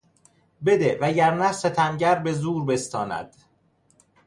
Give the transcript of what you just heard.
بده وگرنه ستمگر به زور بستاند.